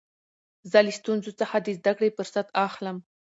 زه له ستونزو څخه د زدکړي فرصت اخلم.